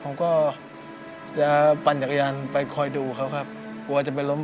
ผมก็จะปั่นจักยานไปคอยดูครับครับบังเมตตะวันน้ำพอลอเท่าก้น